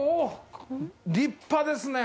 立派ですね。